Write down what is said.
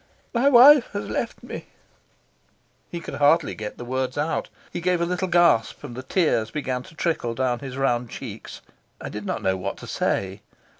"My wife has left me." He could hardly get the words out. He gave a little gasp, and the tears began to trickle down his round cheeks. I did not know what to say.